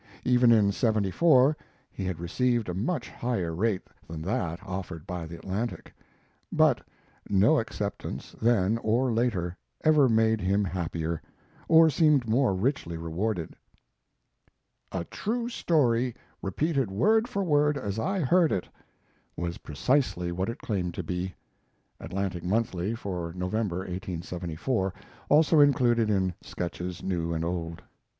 Even in '74 he had received a much higher rate than that offered by the Atlantic, but no acceptance, then, or later, ever made him happier, or seemed more richly rewarded. "A True Story, Repeated Word for Word as I Heard It" was precisely what it claimed to be. [Atlantic Monthly for November, 1874; also included in Sketches New and Old.